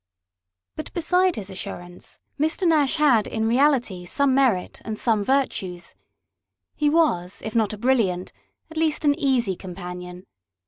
But beside his assurance, Mr. Nash had in reality some merit and some virtues. He was, if not a brilliant, at least an easy companion.